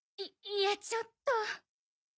いいえちょっと。